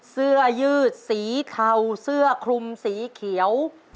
เสื้อยืดสีเทาเสื้อคลุมสีเขียว